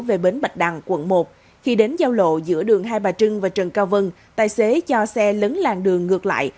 về bến bạch đăng quận một khi đến giao lộ giữa đường hai bà trưng và trần cao vân tài xế cho xe lấn làng đường ngược lại